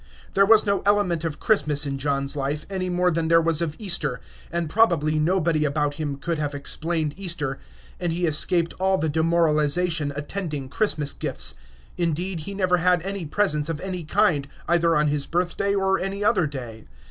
There was no element of Christmas in John's life, any more than there was of Easter; and probably nobody about him could have explained Easter; and he escaped all the demoralization attending Christmas gifts. Indeed, he never had any presents of any kind, either on his birthday or any other day.